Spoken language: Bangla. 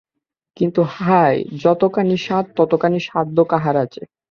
কিন্তু হায়, যতখানি সাধ ততখানি সাধ্য কাহার আছে।